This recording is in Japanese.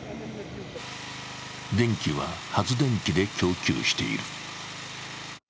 電気は発電機で供給している。